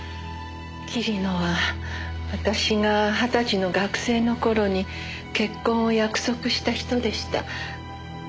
桐野は私が二十歳の学生の頃に結婚を約束した人でした。